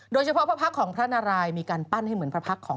โดยเฉพาะพระพักษ์ของพระนารายมีการปั้นให้เหมือนพระพักษ์ของ